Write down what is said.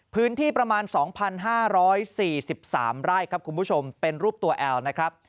พื้นที่ประมาณ๒๕๔๓ไร่ครับคุณผู้ชมเป็นรูปตัวแอลนะครับ